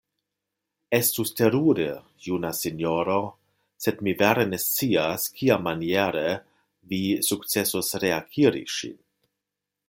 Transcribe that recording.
Estus terure, juna sinjoro, sed mi vere ne scias, kiamaniere vi sukcesos reakiri ŝin.